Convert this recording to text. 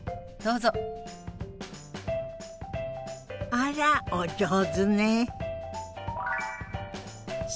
あらお上手ね。